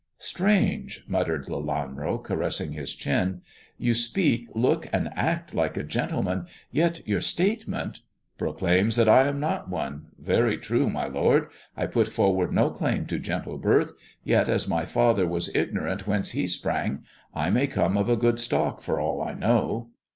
" Strange," muttered Lelanro, caressing his chin, " you speak, look, and act like a gentleman, yet your state ment "" Proclaims that I am not one ! Very true, my lord ! I put forward no claim to gentle birth, yet as my father was ignorant whence he sprang, I may come of a good stock for all I know."